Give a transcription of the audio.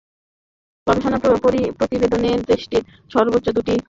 গবেষণা প্রতিবেদনে দেশটির সর্বোচ্চ দুটি বিভাগের প্রতিটি ক্লাবকে আলাদা রেটিংও করা হয়।